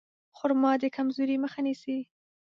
خرما د کمزورۍ مخه نیسي.